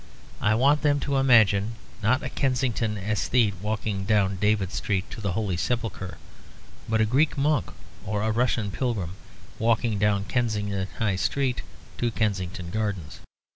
I want them to imagine, not a Kensington aesthete walking down David Street to the Holy Sepulchre, but a Greek monk or a Russian pilgrim walking down Kensington High Street to Kensington Gardens.